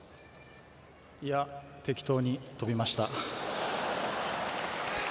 適当に飛びました。